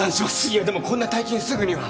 いやでもこんな大金すぐには。